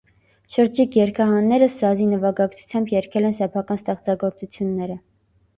Շրջիկ երգահանները սազի նվագակցույամբ երգել են սեփական ստեղծագործությունները։